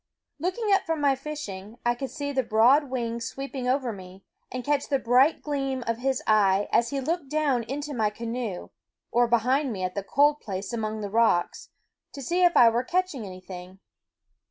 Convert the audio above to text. Looking up from my fishing, I could see the broad wings sweeping over me, and catch the bright gleam of his eye as he looked down into my canoe, or behind me at the cold place among the rocks, to see if I were catching anything.